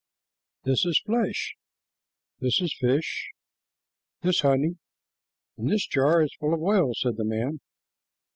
"This is flesh, this fish, this honey, and this jar is full of oil," said the man.